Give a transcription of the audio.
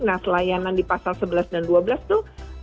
nah layanan di pasal sebelas dan dua belas tuh